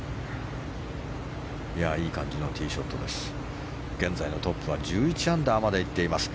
いい感じのティーショットです。